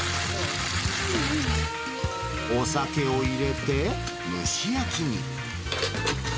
お酒を入れて、蒸し焼きに。